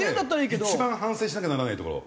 そこはね一番反省しなきゃならないところ。